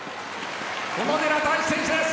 小野寺太志選手です。